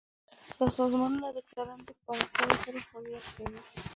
دا سازمانونه د کرنې پراختیا لپاره فعالیت کوي.